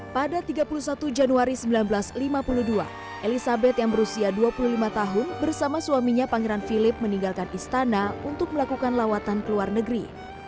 pada tiga puluh satu januari seribu sembilan ratus lima puluh dua elizabeth yang berusia dua puluh lima tahun bersama suaminya pangeran philip meninggalkan istana untuk melakukan lawatan ke luar negeri